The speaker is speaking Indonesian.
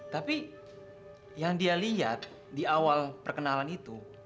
tapi yang dia lihat di awal perkenalan itu